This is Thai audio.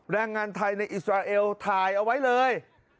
แรงงานไทยในอิสราเอลถ่ายเอาไว้เลย